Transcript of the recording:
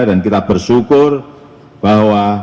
dan kita bersyukur bahwa